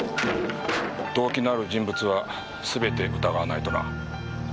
動機のある人物はすべて疑わないとな。